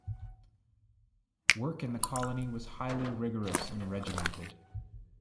Work in the colony was highly rigorous and regimented.